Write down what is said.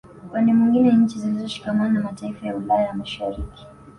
Upande mwingine nchi zilizoshikamana na mataifa ya Ulaya ya Mashariki